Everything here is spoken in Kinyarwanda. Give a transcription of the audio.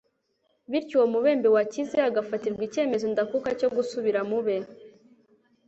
Bityo uwo mubembe wakize agafatirwa icyemezo ndakuka cyo gusubira mu be.